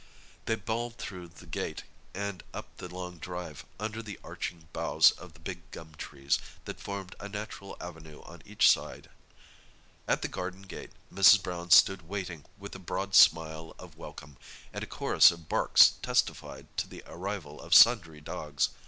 They bowled through the gate and up the long drive, under the arching boughs of the big gum trees, that formed a natural avenue on each side. At the garden gate Mrs. Brown stood waiting, with a broad smile of welcome, and a chorus of barks testified to the arrival of sundry dogs.